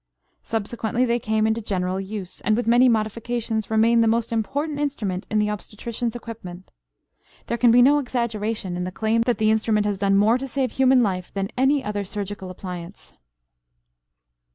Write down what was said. Subsequently they came into general use, and, with many modifications, remain the most important instrument in the obstetrician's equipment. There can be no exaggeration in the claim that the instrument has done more to save human life than any other surgical appliance.